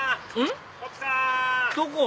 どこ？